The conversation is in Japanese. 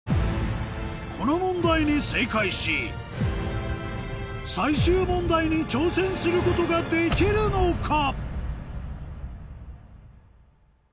この問題に正解し最終問題に挑戦することができるのか？